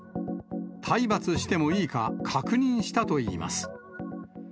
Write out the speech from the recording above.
体罰してもいいか、確認したといいます。